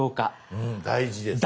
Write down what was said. うん大事ですね。